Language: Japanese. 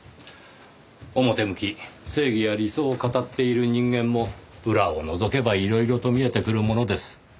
表向き正義や理想を語っている人間も裏をのぞけばいろいろと見えてくるものです。